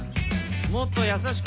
もっとやさしく